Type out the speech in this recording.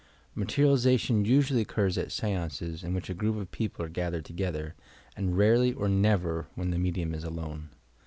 Materialization usually occurs at seances in which a group of people are gathered together, and rarely or never when the medium is alone.